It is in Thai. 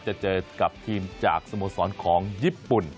จะเจอกับทีมจากสโมสรของญี่ปุ่น